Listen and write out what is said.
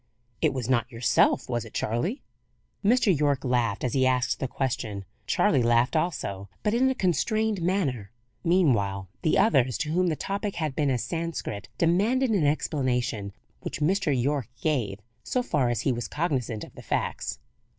It was not yourself, was it Charley?" Mr. Yorke laughed as he asked the question. Charley laughed also, but in a constrained manner. Meanwhile the others, to whom the topic had been as Sanscrit, demanded an explanation, which Mr. Yorke gave, so far as he was cognizant of the facts.